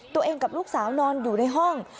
ตัวเองกับลูกสาวนอนอยู่ในห้อง